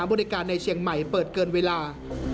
บริการในเชียงใหม่เปิดเกินเวลา